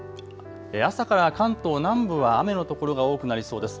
朝から関東南部は雨の所が多くなりそうです。